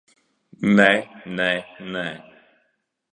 Nē, nē, nē!